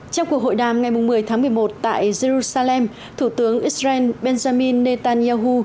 trong cuộc hội đàm ngày một mươi tháng một mươi một tại jerusalem thủ tướng israel benjamin netanyahu